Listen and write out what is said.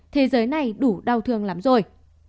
thế giới này đủ đau thương lắm rồi